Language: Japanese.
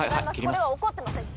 これは怒ってません。